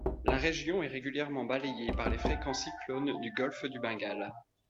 La région est régulièrement balayée par les fréquents cyclones du golfe du Bengale.